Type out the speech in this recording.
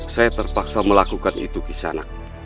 saya terpaksa melakukan itu kisanak